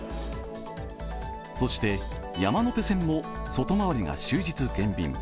そして山手線も外回りが終日減便。